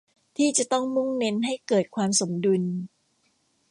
ที่จะต้องมุ่งเน้นให้เกิดความสมดุล